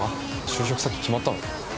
就職先決まったの？